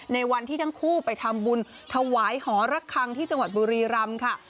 ในวันที่ทั้งคู่ไปทำบุญถวายหอระคังที่จังหวัดบุรีรำค่ะ